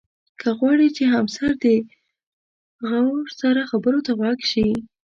که غواړې چې همسر دې غور سره خبرو ته غوږ شي.